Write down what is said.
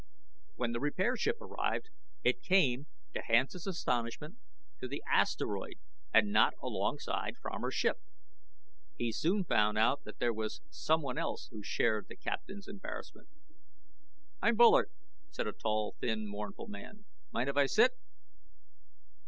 When the repair ship arrived, it came, to Hansen's astonishment, to the asteroid, and not alongside Fromer's ship. He soon found out that there was someone else who shared the Captain's embarrassment. "I'm Bullard," said a tall, thin, mournful man. "Mind if I sit?"